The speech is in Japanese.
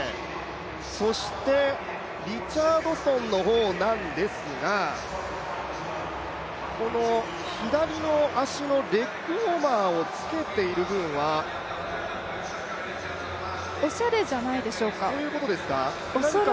そしてリチャードソンの方なんですが、この左の足のレッグウォーマーをつけている分はおしゃれじゃないでしょうか、恐らく。